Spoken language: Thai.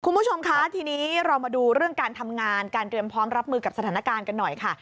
คุณผู้ชมคะทีนี้เรามาดูเรื่องการทำงานการเตรียมพร้อมรับมือกับสถานการณ์กันหน่อยค่ะ